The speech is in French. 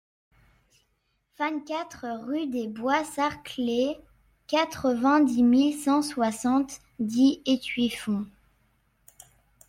vingt-quatre rue des Bois Sarclés, quatre-vingt-dix mille cent soixante-dix Étueffont